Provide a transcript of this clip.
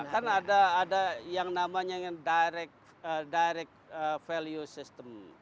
kan ada yang namanya direct value system